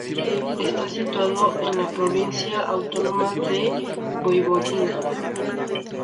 Está situado en la Provincia Autónoma de Voivodina.